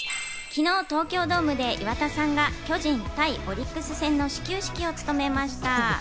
昨日、東京ドームで岩田さんが巨人対オリックス戦の始球式を務めました。